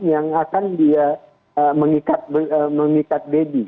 yang akan dia mengikat baby